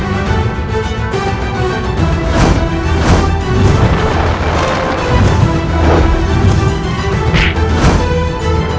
ibu sedih mangga